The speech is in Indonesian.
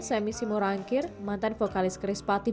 semisimo rangkir mantan vokalis chris patih